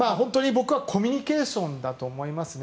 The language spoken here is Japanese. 僕はコミュニケーションだと思いますね。